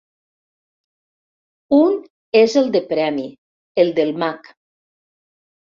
Un és el de premi, el del mag.